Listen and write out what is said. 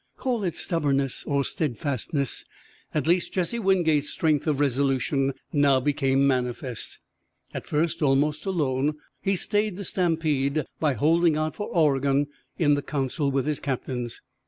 Call it stubbornness or steadfastness, at least Jesse Wingate's strength of resolution now became manifest. At first almost alone, he stayed the stampede by holding out for Oregon in the council with his captains.